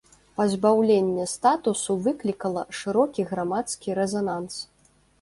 Пазбаўленне статусу выклікала шырокі грамадскі рэзананс.